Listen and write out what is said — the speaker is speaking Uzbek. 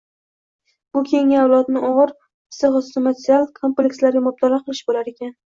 bu — keyingi avlodni og‘ir psixoemotsional komplekslarga mubtalo qilish bo‘lar ekan.